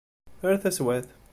Ar taswiɛt!